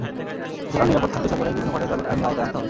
যারা নিরাপদ খাদ্য সরবরাহে বিঘ্ন ঘটায়, তাদের আইনের আওতায় আনতে হবে।